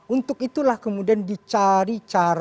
untuk itulah kemudian dicari